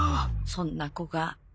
そんな子が。